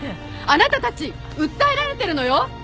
あなたたち訴えられてるのよ！？